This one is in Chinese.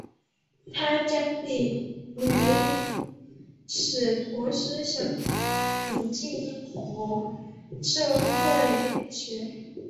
他将李维史陀的思想引进英国社会人类学。